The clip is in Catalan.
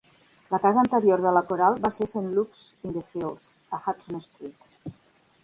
La casa anterior de la coral va ser Saint Luke's in the Fields, a Hudson Street.